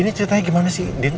ini ceritanya gimana sih